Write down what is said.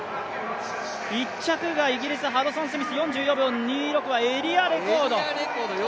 １着がイギリス、ハドソンスミス、４４秒２６はエリアレコード。